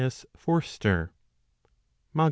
S. Forster, M.A.